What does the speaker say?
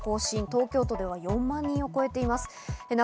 東京都では４万人を超えています。